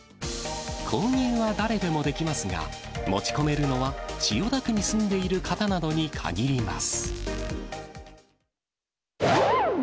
購入は誰でもできますが、持ち込めるのは千代田区に住んでいる方などに限ります。